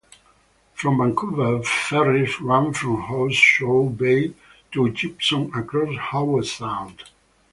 From Vancouver, ferries run from Horseshoe Bay to Gibsons across Howe Sound.